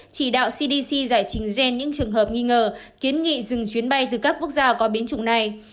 chỉ đạo cdc giải trình gen những trường hợp nghi ngờ kiến nghị dừng chuyến bay từ các quốc gia có biến chủng này